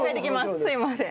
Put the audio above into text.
すいません。